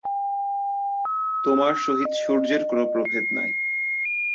তোমার সহিত সূর্যের কোন প্রভেদ নাই।